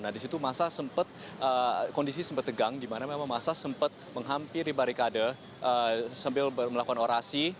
nah di situ masa sempat kondisi sempat tegang di mana memang masa sempat menghampiri barikade sambil melakukan orasi